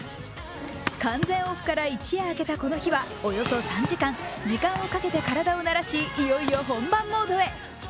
完全オフから一夜明けたこの日はおよそ３時間、時間をかけて体を慣らしいよいよ本番モードへ。